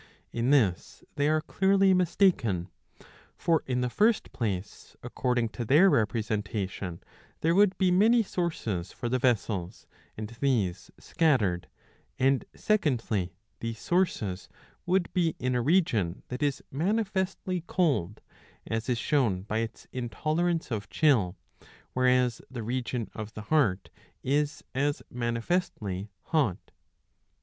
In this they are clearly mistaken. For in the first place, according to their representation, there would be many sources for the vessels, and these scattered ; and secondly these sources would be in a region that is manifestly cold, as is shown by its intolerance of chill, whereas the region of the heart is as manifestly hot.'